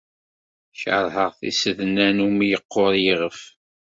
Keṛheɣ tisednan umi yeqqur yiɣef.